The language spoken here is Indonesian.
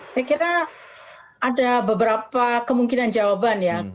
saya kira ada beberapa kemungkinan jawaban ya